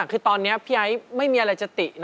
อันนี้ตินะอันนี้ติ